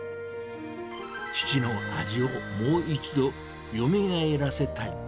父の味をもう一度よみがえらせたい。